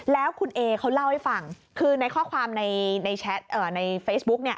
แล้วคุณเอเขาเล่าให้ฟังคือในข้อความในแชทในเฟซบุ๊กเนี่ย